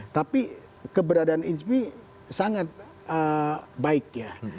tapi keberadaan izmi sangat baik ya